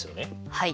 はい。